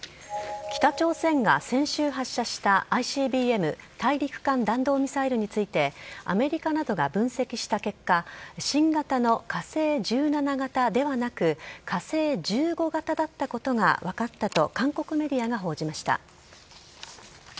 北朝鮮が先週発射したＩＣＢＭ・大陸間弾道ミサイルについて、アメリカなどが分析した結果、新型の火星１７型ではなく、火星１５型だったことが分かったと、韓国メディアが報じました。